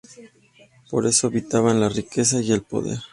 Por eso evitaban la riqueza y el poder.